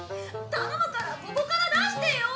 頼むからここから出してよ！